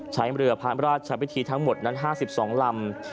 สายเมลือพระราชวิทธิทั้งหมดนั้น๕๒ลำ